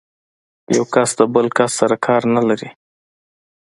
یو کس د بل کس سره کار نه لري.